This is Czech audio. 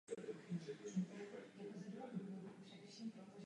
Dnes je jedním z vedoucích evropských producentů strojů a dopravních prostředků.